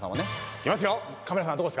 いきます。